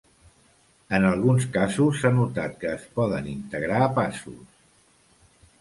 En alguns casos, s'ha notat que es poden integrar passos.